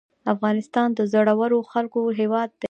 افغانستان د زړورو خلکو هیواد دی